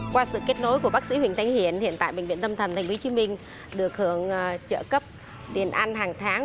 qua sự kết nối của bác sĩ huỳnh tấn hiển hiện tại bệnh viện tâm thần tp hcm được hưởng trợ cấp tiền ăn hàng tháng